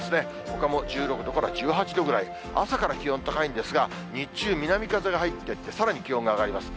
ほかも１６度から１８度ぐらい、朝から気温高いんですが、日中、南風が入って、さらに気温が上がります。